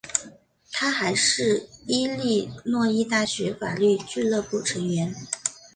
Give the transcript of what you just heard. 他还是伊利诺伊大学法律俱乐部成员。